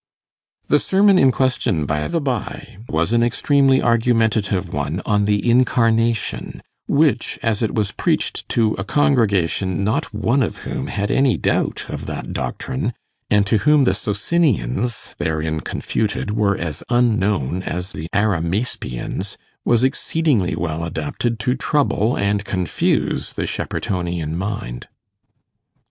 The sermon in question, by the by, was an extremely argumentative one on the Incarnation; which, as it was preached to a congregation not one of whom had any doubt of that doctrine, and to whom the Socinians therein confuted were as unknown as the Arimaspians, was exceedingly well adapted to trouble and confuse the Sheppertonian mind.